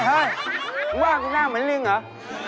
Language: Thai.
เฮ้ยมึงว่ากูหน้าเหมือนลิงเหรอ